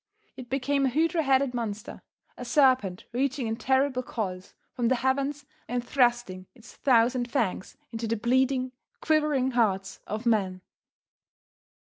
It became a hydra headed monster a serpent reaching in terrible coils from the heavens and thrusting its thousand fangs into the bleeding, quivering hearts of men.